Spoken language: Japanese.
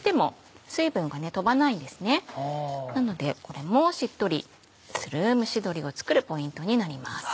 なのでこれもしっとりする蒸し鶏を作るポイントになります。